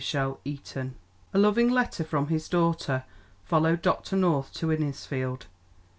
CHAPTER IX A loving letter from his daughter followed Dr. North to Innisfield.